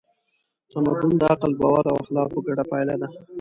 تمدن د عقل، باور او اخلاقو ګډه پایله ده.